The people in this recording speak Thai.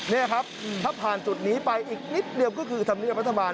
นี่ครับถ้าผ่านจุดนี้ไปอีกนิดเดียวก็คือธรรมเนียบรัฐบาล